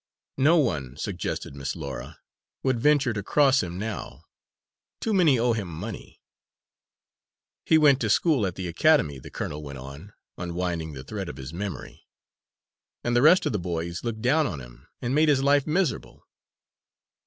"No one," suggested Miss Laura, "would venture to cross him now. Too many owe him money." "He went to school at the academy," the colonel went on, unwinding the thread of his memory, "and the rest of the boys looked down on him and made his life miserable.